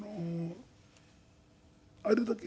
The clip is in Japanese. あれだけ。